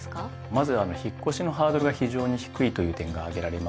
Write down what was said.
まず引っ越しのハードルが非常に低いという点が挙げられます。